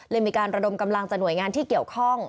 มีการระดมกำลังจากหน่วยงานที่เกี่ยวข้อง